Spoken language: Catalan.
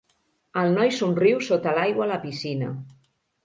El noi somriu sota l'aigua a la piscina.